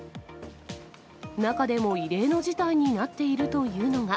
中でも異例の事態になっているというのが。